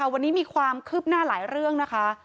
วันนี้มีความคืบหน้าหลายเรื่องนะคะ